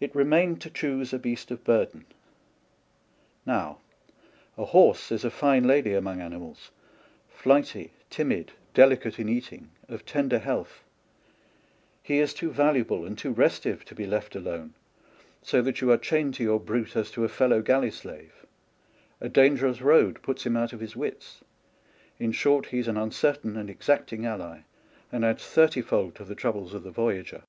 It remained to 6 DONKEY, PACK, AND SADDLE choose a beast of burden. Now, a horse is a fine lady among animals, flighty, timid, delicate in eating, of tender health ; he is too valuable and too restive to be left alone, so that you are chained to your brute as to a fellow galley slave ; a dangerous road puts him out of his wits ; in short, he's an uncertain and exacting ally, and adds thirty fold to the troubles of the voyager.